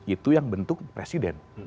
itu yang bentuk presiden